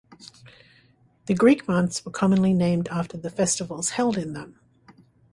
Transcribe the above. The Greek months were commonly named after the festivals held in them.